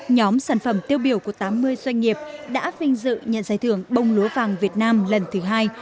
nhóm sản phẩm tiêu biểu của tám mươi doanh nghiệp đã vinh dự nhận giải thưởng bông lúa vàng việt nam lần thứ hai